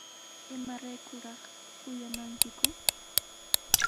¿Imaraykutaq kuyamankiku?